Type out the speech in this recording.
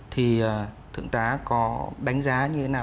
thì thượng tá có đánh giá như thế nào